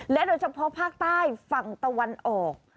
โดยเฉพาะภาคใต้ฝั่งตะวันออก